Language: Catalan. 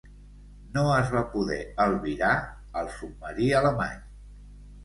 No es va poder albirar al submarí alemany.